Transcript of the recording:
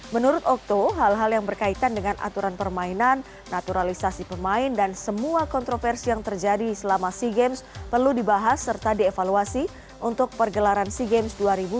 menurut oktoh hal hal yang berkaitan dengan aturan permainan naturalisasi pemain dan semua kontroversi yang terjadi selama sea games perlu dibahas serta dievaluasi untuk pergelaran sea games dua ribu dua puluh lima